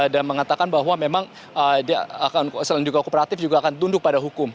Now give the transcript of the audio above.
dan mengatakan bahwa memang selain juga kooperatif juga akan tunduk pada hukum